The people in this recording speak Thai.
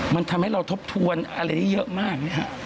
มันทำให้เราทบทวนอะไรได้เยอะมาก